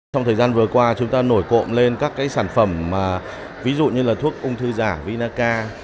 trong thời gian vừa qua chúng ta nổi cộm lên các sản phẩm ví dụ như thuốc ung thư giả vinaca